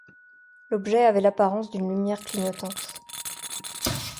L'objet avait l'apparence d'une lumière clignotante.